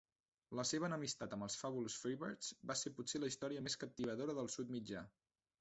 La seva enemistat amb els Fabulous Freebirds va ser potser la història més captivadora del Sud mitjà.